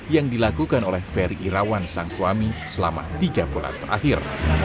yang dilakukan oleh ferry irawan sang suami selama tiga bulan terakhir